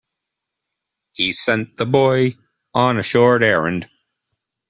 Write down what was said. He sent the boy on a short errand.